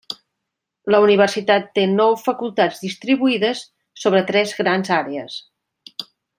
La universitat té nou facultats distribuïdes sobre tres grans àrees.